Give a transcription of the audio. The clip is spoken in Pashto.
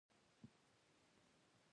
ژبه د شعور پیغام ده